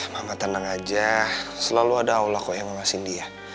mama tenang aja selalu ada allah kok yang ngawasin dia